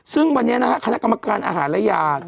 ซึ่งวันนี้นะฮะคณะกรรมการอาหารและยา